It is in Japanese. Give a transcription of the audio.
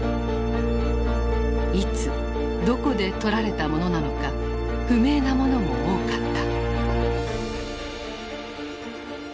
いつどこで撮られたものなのか不明なものも多かった。